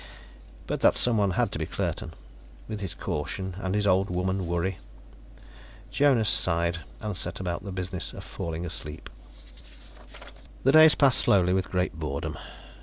But that the someone had to be Claerten, with his caution and his old woman worry Jonas sighed and set about the business of falling asleep. The days passed slowly, with great boredom.